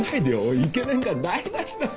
イケメンが台無しだよ。